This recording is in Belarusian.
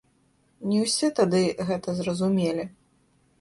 Не ўсе тады гэта зразумелі.